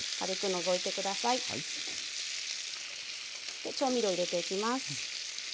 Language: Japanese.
で調味料入れていきます。